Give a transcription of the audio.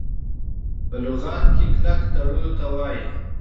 په لغت کي کلک تړلو ته وايي .